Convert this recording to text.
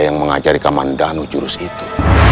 yang mengajari kaman danu jurus itu